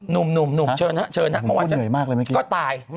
นุ่มเชิญนะเชิญนะเพราะว่าจะก็ตาย